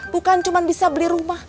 bukan cuma bisa beli rumah